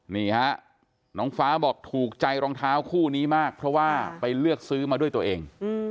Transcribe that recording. นี่ฮะน้องฟ้าบอกถูกใจรองเท้าคู่นี้มากเพราะว่าไปเลือกซื้อมาด้วยตัวเอง